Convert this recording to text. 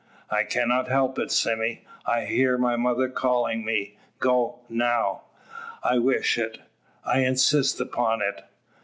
"I cannot help it, Sime. I hear my mother calling me. Go, now! I wish it; I insist upon it!"